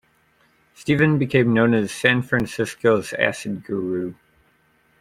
Stephen became known as "San Francisco's acid guru".